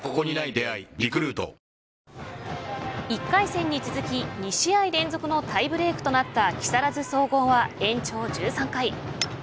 １回戦に続き２試合連続のタイブレークとなった木更津総合は延長１３回。